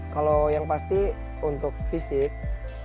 kalau yang pasti untuk fisik